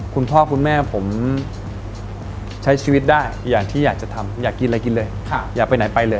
คุณพ่อคุณแม่ผมใช้ชีวิตได้อย่างที่อยากจะทำอยากกินอะไรกินเลยอยากไปไหนไปเลย